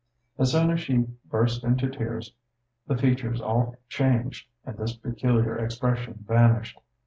As soon as she burst into tears, the features all changed and this peculiar expression vanished.